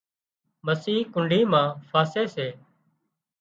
مسي ڪنڍي مان ڦاسي سي